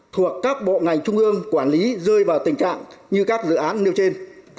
thuộc các bộ ngành trung ương quản lý rơi vào tình trạng như các dự án nêu trên